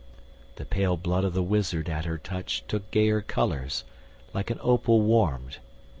The pale blood of the wizard at her touch Took gayer colours, like an opal warmed.